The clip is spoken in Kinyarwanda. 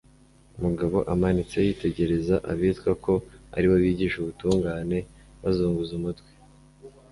mugabo amanitse, yitegereza abitwa ko ari bo bigisha ubutungane bazunguza umutwe,